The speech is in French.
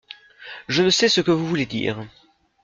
Je ne sais ce que vous voulez dire.